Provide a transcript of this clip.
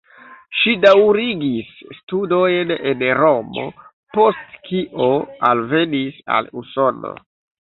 Ŝi daŭrigis studojn en Romo, post kio alvenis al Usono.